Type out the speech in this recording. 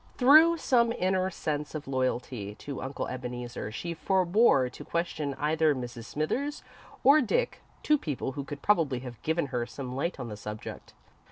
Through some inner sense of loyalty to Uncle Ebeneezer, she forebore to question either Mrs. Smithers or Dick two people who could probably have given her some light on the subject.